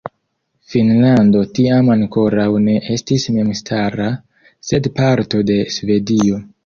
Finnlando tiam ankoraŭ ne estis memstara, sed parto de Svedio.